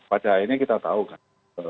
pada akhirnya kita tahu kan